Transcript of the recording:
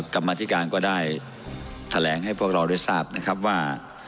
กรรมธิการก็ได้แถลงให้พวกเราได้ทราบนะครับว่า